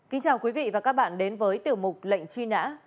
kính chào quý vị và các bạn đến với tiểu mục lệnh truy nã